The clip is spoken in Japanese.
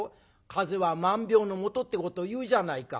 『風邪は万病のもと』ってこと言うじゃないか。